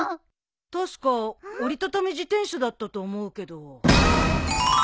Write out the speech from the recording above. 確か折り畳み自転車だったと思うけど。